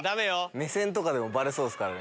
目線とかでもバレそうですからね。